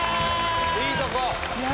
いいとこ！